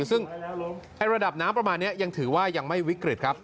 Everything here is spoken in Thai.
ซึ่งระดับน้ำประมาณนี้ยังถือว่ายังไม่วิกฤตครับ